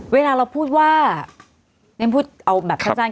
เวลาเราพูดว่าเนี่ยพูดเอาแบบพระอาจารย์